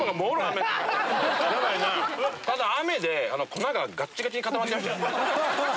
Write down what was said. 雨で粉がガッチガチに固まっちゃいました。